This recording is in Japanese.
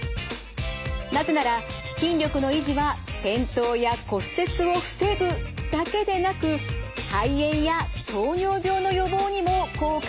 なぜなら筋力の維持は転倒や骨折を防ぐだけでなく肺炎や糖尿病の予防にも効果があるからです。